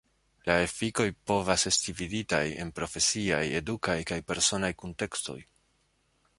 La efikoj povas esti viditaj en profesiaj, edukaj kaj personaj kuntekstoj.